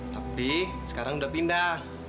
tapi sekarang sudah pindah